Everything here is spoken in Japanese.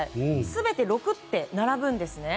全て６と並ぶんですね。